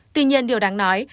tuy nhiên điều đáng nói